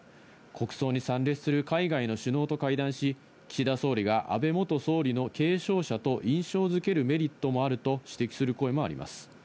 国葬に参列する海外の首脳と会談し、岸田総理が安倍元総理の継承者と印象付けるメリットもあると指摘する声もあります。